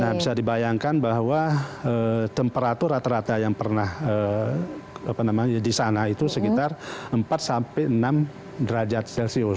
nah bisa dibayangkan bahwa temperatur rata rata yang pernah di sana itu sekitar empat sampai enam derajat celcius